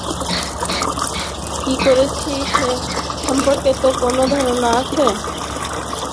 কী করেছিস সে সম্পর্কে তোর কোনো ধারণা আছে?